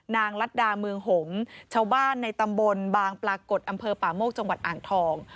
ลัดดาเมืองหงษ์ชาวบ้านในตำบลบางปรากฏอำเภอป่าโมกจังหวัดอ่างทอง